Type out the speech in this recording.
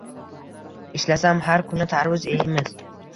Ishlasam, har kuni tarvuz eymiz